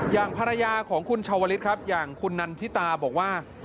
อย่างภรรยาของคุณชาวลิศครับอย่างคุณนันทิตาบอกว่า